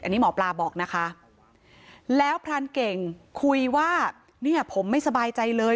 อันนี้หมอปลาบอกนะคะแล้วพรานเก่งคุยว่าเนี่ยผมไม่สบายใจเลย